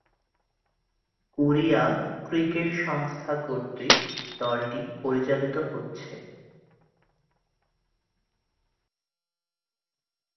Korea cricket সংস্থা কর্তৃক দলটি পরিচালিত হচ্ছে।